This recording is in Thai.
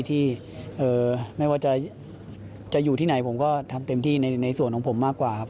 ที่ไม่ว่าจะอยู่ที่ไหนผมก็ทำเต็มที่ในส่วนของผมมากกว่าครับ